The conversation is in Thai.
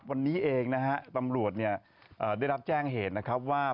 วันนี้เองนะตำรวจได้รับแจ้งเหตุว่า